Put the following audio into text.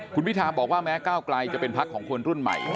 คุณพิธาบอกว่าแม้ก้าวไกลจะเป็นพักของคนรุ่นใหม่